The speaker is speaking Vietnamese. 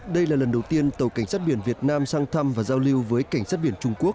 đây là lần đầu tiên tàu cảnh sát biển việt nam sang thăm và giao lưu với cảnh sát biển trung quốc